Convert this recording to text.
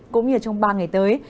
cũng như trong ba ngày tới